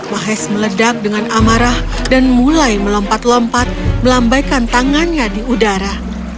mahes meledak dengan amarah dan mulai melompat lompat melambaikan tangannya di udara